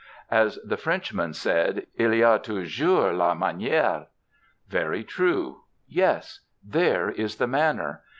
As the Frenchman said, "Il y a toujours la manière." Very true. Yes. There is the manner.